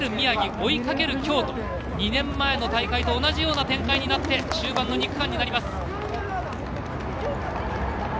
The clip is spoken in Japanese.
２年前の大会と同じような展開になって終盤の２区間になります。